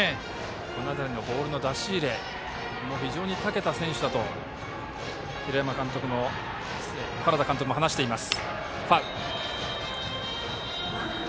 この辺りのボールの出し入れも非常にたけた選手だと原田監督も話しています。